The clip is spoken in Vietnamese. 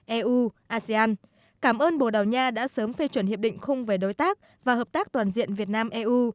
eu asean cảm ơn bồ đào nha đã sớm phê chuẩn hiệp định khung về đối tác và hợp tác toàn diện việt nam eu